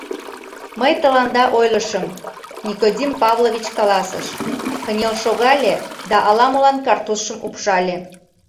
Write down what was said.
Мый тыланда ойлышым, — Никодим Павлович каласыш, кынел шогале да ала-молан картузшым упшале.